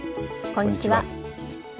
こんにちは。